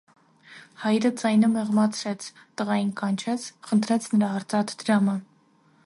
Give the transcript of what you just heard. Հայրը ձայնը մեղմացրեց, տղային կանչեց, խնդրեց նրա արծաթ դրամը: